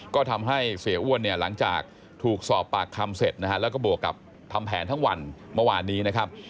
ก็ทำให้เสียอ้วนเนี่ยหลังจากถูกสอบปากคำเสร็จนะฮะแล้วก็บวกกับทำแผนทั้งวันเมื่อวานนี้นะครับ